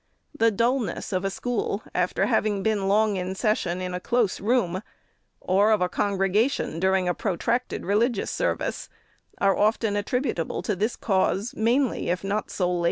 The dulness of a school, after having been long in session in a close room, and of a congregation, during a protracted religious service, are often attributable to this cause mainly, if not soldi